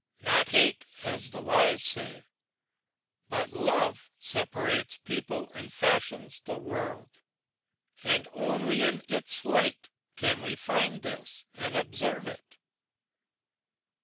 Not hate, as the wise say, but love, separates people and fashions the world; and only in its light can we find this and observe it.